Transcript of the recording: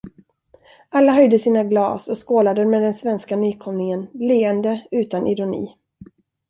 Alla höjde sina glas och skålade med den svenska nykomlingen, leende utan ironi.